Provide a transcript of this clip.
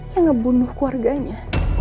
yang ngebunuh keluarganya